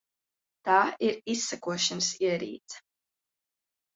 Tā ir izsekošanas ierīce.